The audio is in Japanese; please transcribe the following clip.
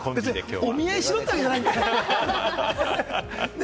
別にお見合いしろってわけじゃないんだから！